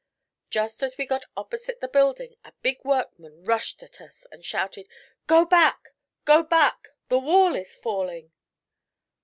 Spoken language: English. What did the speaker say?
Just as we got opposite the building a big workman rushed at us and shouted: 'Go back go back! The wall is falling.'